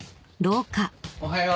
おはよう。